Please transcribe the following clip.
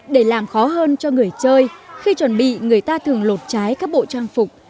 để làm khó hơn cho người chơi khi chuẩn bị người ta thường lột trái các bộ trang phục